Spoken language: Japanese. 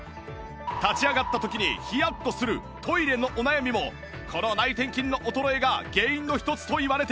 立ち上がった時にヒヤッとするトイレのお悩みもこの内転筋の衰えが原因の一つといわれているんです